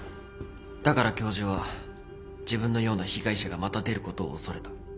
だから教授は自分のような被害者がまた出ることを恐れた。